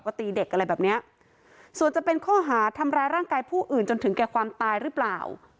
ก็ตีเด็กอะไรแบบเนี้ยส่วนจะเป็นข้อหาทำร้ายร่างกายผู้อื่นจนถึงแก่ความตายหรือเปล่า